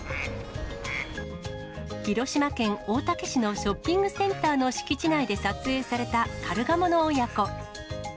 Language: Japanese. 広島県大竹市のショッピングセンターの敷地内で撮影されたカルガモの親子。